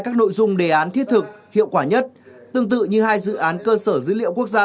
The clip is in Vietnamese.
các nội dung đề án thiết thực hiệu quả nhất tương tự như hai dự án cơ sở dữ liệu quốc gia